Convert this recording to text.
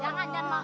jangan jangan mau